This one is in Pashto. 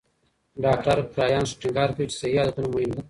ډاکټر کرایان ټینګار کوي چې صحي عادتونه مهم دي.